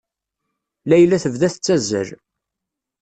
Layla tebda tettazzal.